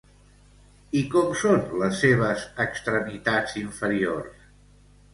I com són les seves extremitats inferiors?